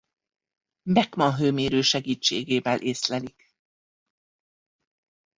Beckmann-hőmérő segítségével észlelik.